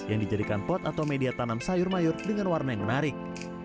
yang dijadikan pot atau media tanam sayur mayur dengan warna yang menarik